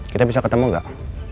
kita bisa ketemu gak